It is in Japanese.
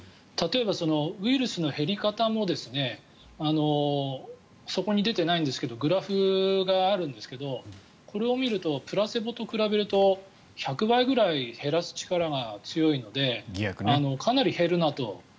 例えばウイルスの減り方もそこに出ていないんですけどグラフがあるんですがこれを見るとプラセボと比べると１００倍ぐらい減らす力が強いのでかなり減るなと。